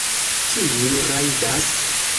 Kiu rajdas?